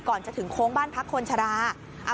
ก่อนจะถึงโค้งบ้านพักคนชรา